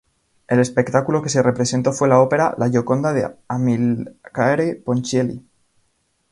El espectáculo que se representó fue la ópera "La Gioconda", de Amilcare Ponchielli.